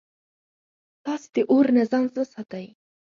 تاسي د اور نه ځان وساتئ